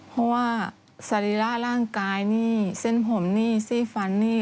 เพราะว่าสรีระร่างกายนี่เส้นผมนี่ซี่ฟันนี่